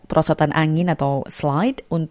perosotan angin atau slide